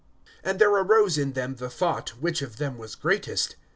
(46)And there arose in them the thought[9:46], which of them was greatest.